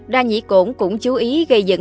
đa nhĩ cổn cũng chú ý gây dẫn